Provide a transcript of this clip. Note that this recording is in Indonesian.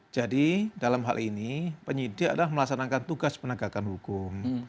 jadi dalam hal ini penyidik adalah melaksanakan tugas menegakkan hukum